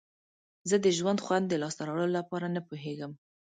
زه د ژوند خوند د لاسته راوړلو لپاره نه پوهیږم.